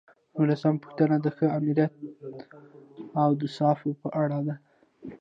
نولسمه پوښتنه د ښه آمریت د اوصافو په اړه ده.